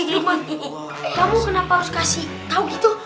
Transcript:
lukman kamu kenapa harus kasih tau gitu